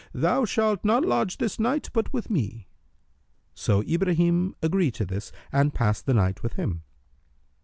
Thou shalt not lodge this night but with me." So Ibrahim agreed to this and passed the night with him.